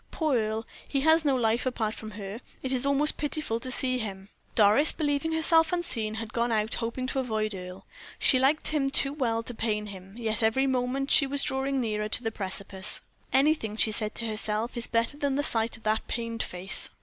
"Poor Earle! he has no life apart from her; it is almost pitiful to see him." Doris, believing herself unseen, had gone out hoping to avoid Earle. She liked him too well to pain him, yet every moment she was drawing nearer to the precipice. "Anything," she said to herself, "is better than the sight of that pained face."